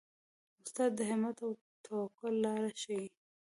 استاد د همت او توکل لاره ښيي.